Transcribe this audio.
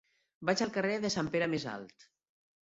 Vaig al carrer de Sant Pere Més Alt.